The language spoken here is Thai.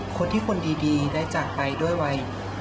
คนที่คนดีได้จากไปด้วยวัย